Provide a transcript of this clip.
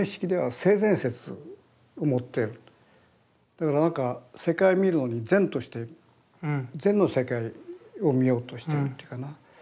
だから何か世界見るのに善として善の世界を見ようとしてるっていうかな。